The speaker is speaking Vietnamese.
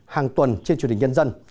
hàng tuần trên truyền hình nhân dân